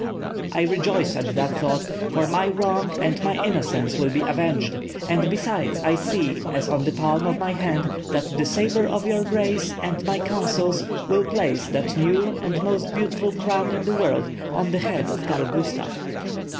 "I rejoice at the thought, for my wrong and my innocence will be avenged; and besides I see, as on the palm of my hand, that the sabre of your grace and my counsels will place that new and most beautiful crown in the world on the head of Karl Gustav."